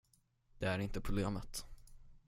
Det är inte problemet.